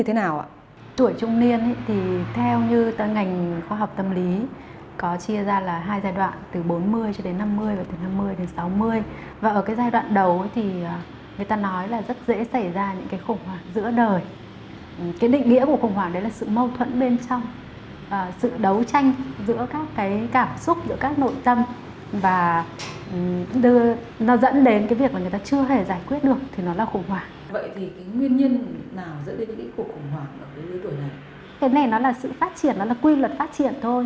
thế này nó là sự phát triển nó là quy luật phát triển thôi